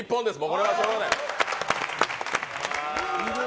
これはしょうがない。